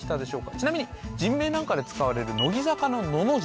ちなみに人名なんかで使われる乃木坂の「乃」の字